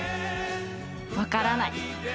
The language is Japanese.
分からない。